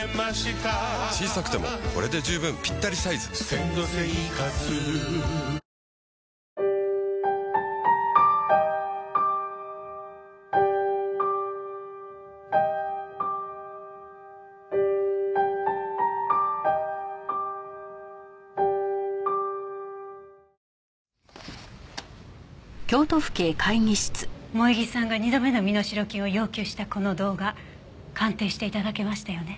新「グリーンズフリー」萌衣さんが２度目の身代金を要求したこの動画鑑定して頂けましたよね？